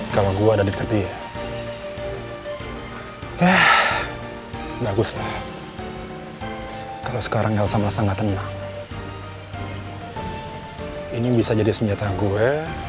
kalau gua ada dikit ya eh baguslah kalau sekarang elsa masa nggak tenang ini bisa jadi senjata gue